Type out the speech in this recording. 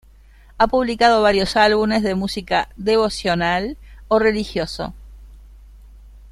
Ha publicado varios álbumes de música devocional o religioso.